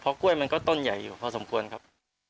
กล้วยมันก็ต้นใหญ่อยู่พอสมควรครับ